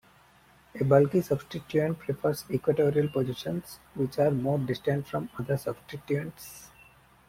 A bulky substituent prefers equatorial positions, which are more distant from other substituents.